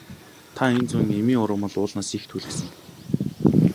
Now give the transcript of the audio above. Та энэ зун эмийн ургамал уулнаас их түүлгэсэн.